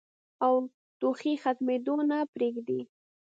او ټوخی ختمېدو ته نۀ پرېږدي